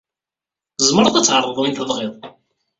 Tzemred ad d-tɛerḍed win tebɣid.